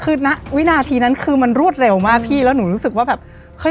คือณวินาทีนั้นคือมันรวดเร็วมากพี่แล้วหนูรู้สึกว่าแบบเฮ้ย